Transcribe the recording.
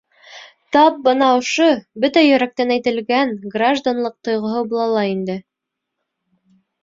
Тап бына ошо бөтә йөрәктән әйтелгән гражданлыҡ тойғоһо була ла инде.